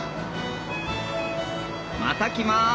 また来ます！